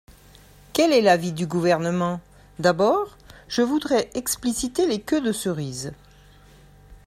Quel est l’avis du Gouvernement ? D’abord, je voudrais expliciter les queues de cerises.